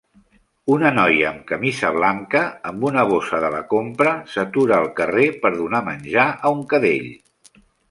Una noia amb camisa blanca amb una bossa de la compra s'atura al carrer per donar menjar a un cadell.